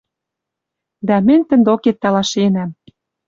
Дӓ мӹнь тӹнь докет талашенӓм